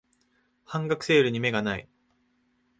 半額セールに目がない